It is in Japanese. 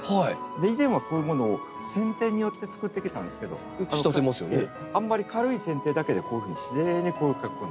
以前はこういうものを剪定によってつくってきたんですけど軽い剪定だけでこういうふうに自然にこういう格好になります。